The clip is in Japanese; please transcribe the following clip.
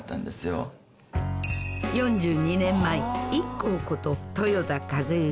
４２年前ＩＫＫＯこと豊田一幸